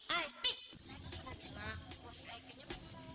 saya kan sudah bilang buat vip nya